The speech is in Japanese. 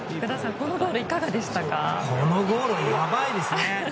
このゴールはやばいですね。